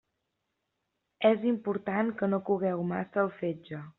És important que no cogueu massa el fetge.